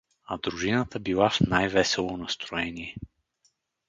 А дружината била в най-весело настроение.